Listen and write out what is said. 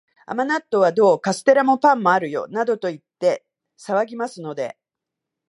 甘納豆はどう？カステラも、パンもあるよ、などと言って騒ぎますので、